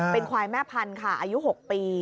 เป็นควายแม่พันธุ์ค่ะอายุ๖ปี